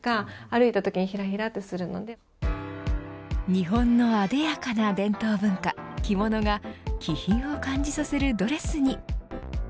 日本のあでやかな伝統文化着物が気品を感じさせるドレスに。